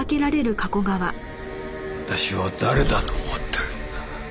私を誰だと思ってるんだ？